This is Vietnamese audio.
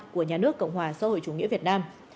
của nhà nước cộng hòa xã hội chủ nghĩa việt nam